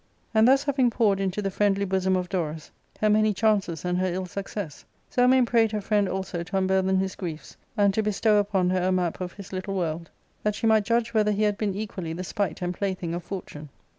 And thus having poured into the friendly bosom of Dorus her many chances and her ill success, Zelmane prayed her friend also to unburthen his griefs and to bestow upon her a map of his little world, that she might judge whether he had been equally the spite and plaything of fortune.